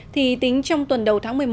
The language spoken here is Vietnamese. thì tính trong tuần đầu tháng một mươi một